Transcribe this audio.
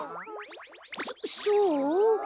そそう？